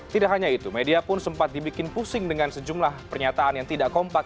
tidak hanya itu media pun sempat dibikin pusing dengan sejumlah pernyataan yang tidak kompak